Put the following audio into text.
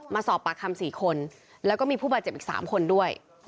มาสอบปากคำ๔คนแล้วก็มีผู้บาดเจ็บอีก๓คนด้วย